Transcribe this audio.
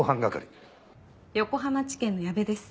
横浜地検の矢部です。